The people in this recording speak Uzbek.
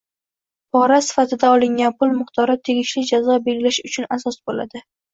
Pora sifatida olingan pul miqdori tegishli jazo belgilash uchun asos boʻladi.